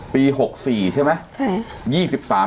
ปี๖๔ใช่ไหม